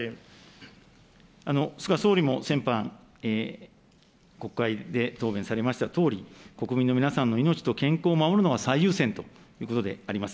菅総理も先般、国会で答弁されましたとおり、国民の皆さんの命と健康を守るのが最優先ということであります。